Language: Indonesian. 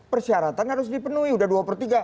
persyaratan harus dipenuhi udah dua per tiga